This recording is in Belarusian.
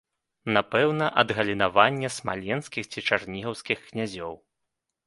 Напэўна, адгалінаванне смаленскіх ці чарнігаўскіх князёў.